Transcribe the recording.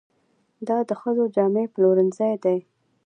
دا د ښځو جامې پلورنځی دی.